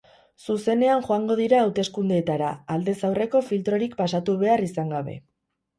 Zuzenean joango dira hauteskundeetara, aldez aurreko filtrorik pasatu behar izan gabe.